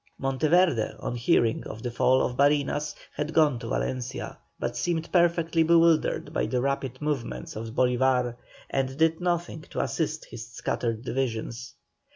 Monteverde on hearing of the fall of Barinas, had gone to Valencia, but seemed perfectly bewildered by the rapid movements of Bolívar, and did nothing to assist his scattered divisions.